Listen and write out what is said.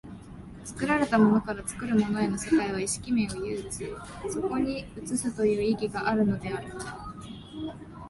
作られたものから作るものへの世界は意識面を有つ、そこに映すという意義があるのである。